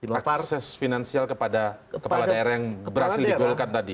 akses finansial kepada kepala daerah yang berhasil digolkan tadi